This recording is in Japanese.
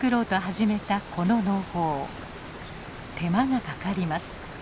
手間がかかります。